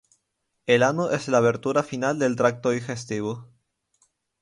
El ano es la abertura final del tracto digestivo.